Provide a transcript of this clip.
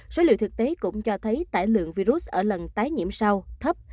số liệu thực tế cũng cho thấy tải lượng virus ở lần tái nhiễm sau thấp